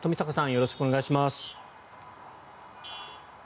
よろしくお願いします。